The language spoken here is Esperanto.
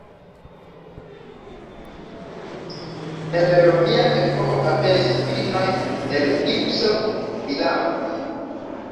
El romia epoko aperis minoj el gipso, vilaoj.